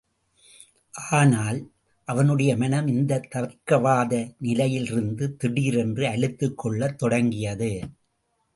ஆனால், அவனுடைய மனம் இந்தத் தர்க்கவாத நிலையிலிருந்து திடீரென்று அலுத்துக் கொள்ளத் தொடங்கியது.